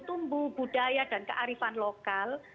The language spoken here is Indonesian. tumbuh budaya dan kearifan lokal